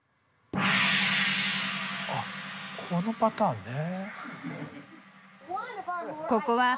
あっこのパターンね。